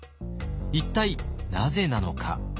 一体なぜなのか。